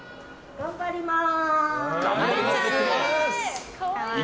頑張ります！